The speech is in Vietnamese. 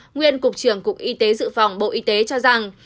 nguyên cục trưởng cục y tế dự phòng bộ y tế cho rằng